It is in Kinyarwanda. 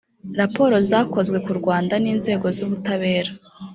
raporo zakozwe ku rwanda n’inzego z’ubutabera